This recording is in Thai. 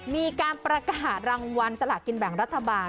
มีการประกาศรางวัลสลากินแบ่งรัฐบาล